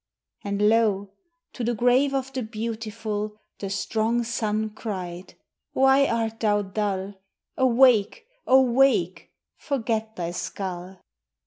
And, lo! to the grave of the beautiful The strong sun cried, "Why art thou dull? Awake! awake! Forget thy skull!"